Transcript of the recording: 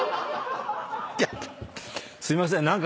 すいません。